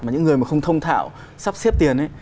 mà những người mà không thông thạo sắp xếp tiền ấy